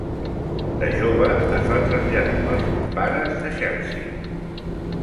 De jove es va traslladar amb els seus pares al Chelsea.